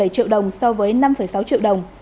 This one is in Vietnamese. bảy triệu đồng so với năm sáu triệu đồng